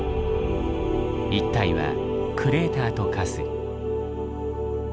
一帯はクレーターと化す。